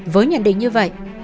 với nhận định như vậy